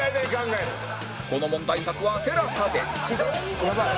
この問題作は ＴＥＬＡＳＡ で